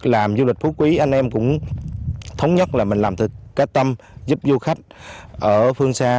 làm du lịch phú quý anh em cũng thống nhất là mình làm cái tâm giúp du khách ở phương xa